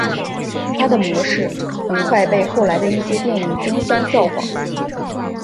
它的模式很快被后来的一些电影争相效仿。